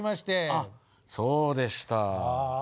あそうでした。